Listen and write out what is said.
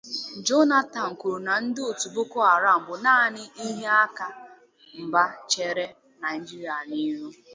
Jonathan kwuru na ndị otu Boko Haram bụ nanị ihe aka mgba chere Nigeria n’ihu